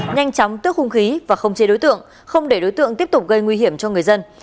nhanh chóng tước hung khí và khống chế đối tượng không để đối tượng tiếp tục gây nguy hiểm cho người dân